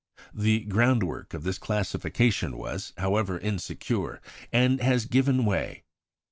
The ground work of this classification was, however, insecure, and has given way.